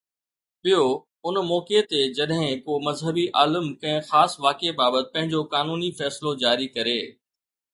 ٻيو، ان موقعي تي جڏهن ڪو مذهبي عالم ڪنهن خاص واقعي بابت پنهنجو قانوني فيصلو جاري ڪري